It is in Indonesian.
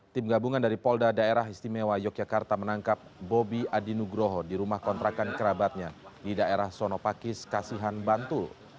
tim gabungan dari polda daerah istimewa yogyakarta menangkap bobi adinugroho di rumah kontrakan kerabatnya di daerah sono pakis kasihan bantul